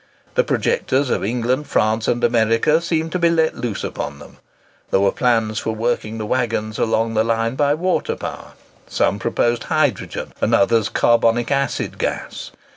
The projectors of England, France, and America, seemed to be let loose upon them. There were plans for working the waggons along the line by water power. Some proposed hydrogen, and others carbonic acid gas.